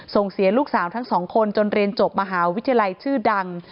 ส่งเสียลูกสาวทั้งสองคนจนเรียนจบมหาวิทยาลัยชื่อดัง